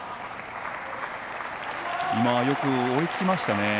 よく、追いつきましたね。